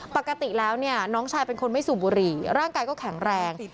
ปกติแล้วเนี่ยน้องชายเป็นคนไม่สูบบุหรี่ร่างกายก็แข็งแรง